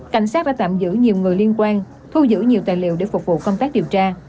cảnh sát đã tạm giữ nhiều người liên quan thu giữ nhiều tài liệu để phục vụ công tác điều tra